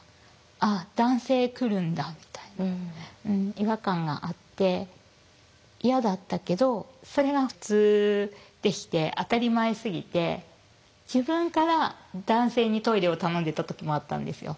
違和感があって嫌だったけどそれが普通でして当たり前すぎて自分から男性にトイレを頼んでた時もあったんですよ。